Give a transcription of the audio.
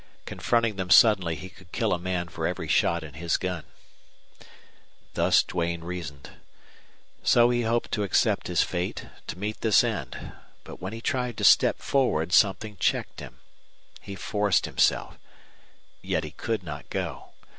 Confronting them suddenly he could kill a man for every shot in his gun. Thus Duane reasoned. So he hoped to accept his fate to meet this end. But when he tried to step forward something checked him. He forced himself; yet he could not go.